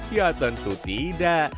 ya tentu tidak